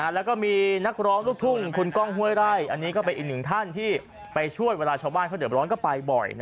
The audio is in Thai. แล้วก็มีนักร้องลูกทุ่งคุณก้องห้วยไร่อันนี้ก็เป็นอีกหนึ่งท่านที่ไปช่วยเวลาชาวบ้านเขาเดือดร้อนก็ไปบ่อย